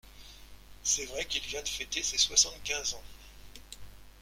C’est vrai qu’il vient de fêter ses soixante-quinze ans?